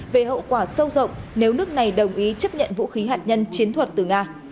về hậu quả sâu rộng nếu nước này đồng ý chấp nhận vũ khí hạt nhân chiến thuật từ nga